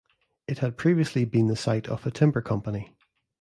It had previously been the site of a timber company.